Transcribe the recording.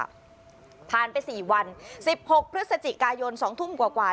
ผ่านไปสี่วันสิบหกพฤศจิกายนสองทุ่มกว่า